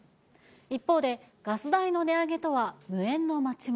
一方で、ガス代の値上げとは無縁の町も。